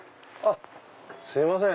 すいません